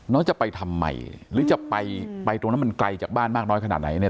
จะไปทำไมหรือจะไปไปตรงนั้นมันไกลจากบ้านมากน้อยขนาดไหนเนี่ย